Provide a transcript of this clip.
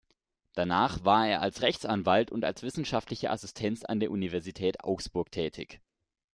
Danach war er als Rechtsanwalt und als wissenschaftlicher Assistent an der Universität Augsburg tätig.